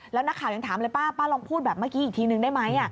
แล้วนักข่าวยังถามเลยป้าป้าลองพูดแบบเมื่อกี้อีกทีนึงได้ไหม